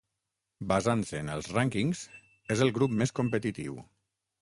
Basant-se en els rànquings, és el grup més competitiu.